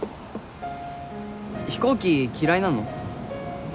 飛行機嫌いなの？